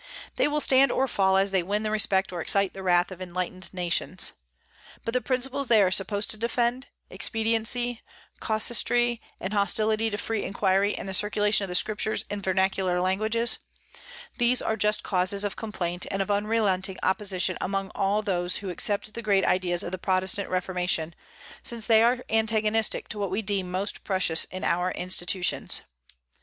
They will stand or fall as they win the respect or excite the wrath of enlightened nations. But the principles they are supposed to defend, expediency, casuistry, and hostility to free inquiry and the circulation of the Scriptures in vernacular languages, these are just causes of complaint and of unrelenting opposition among all those who accept the great ideas of the Protestant Reformation, since they are antagonistic to what we deem most precious in our institutions.